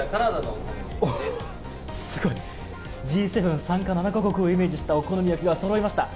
すごい、Ｇ７参加７か国をイメージしたお好み焼きがそろいました。